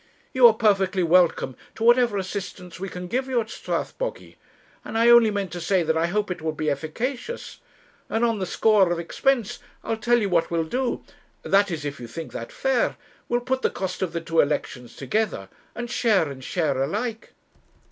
You are perfectly welcome to whatever assistance we can give you at Strathbogy. I only meant to say that I hope it will be efficacious. And on the score of expense I'll tell you what we'll do that is, if you think that fair; we'll put the cost of the two elections together, and share and share alike.'